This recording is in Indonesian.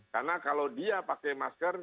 karena kalau dia pakai masker